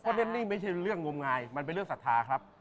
เพราะเล่นนี่ไม่ใช่เรื่องงมงายมันเป็นเรื่องศรัทธาครับ